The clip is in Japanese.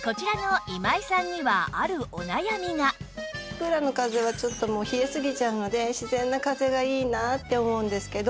こちらのクーラーの風は冷えすぎちゃうので自然な風がいいなって思うんですけど。